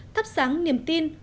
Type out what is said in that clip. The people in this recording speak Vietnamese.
thắp sáng niềm tin